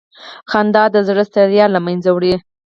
خندا د زړه ستړیا له منځه وړي.